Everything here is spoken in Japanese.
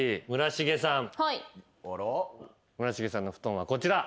村重さんのフトンはこちら。